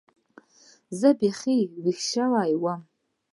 زه بيخي هېښ سوى وم.